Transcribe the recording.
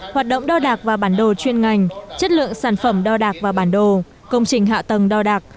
hoạt động đo đạc và bản đồ chuyên ngành chất lượng sản phẩm đo đạc và bản đồ công trình hạ tầng đo đạc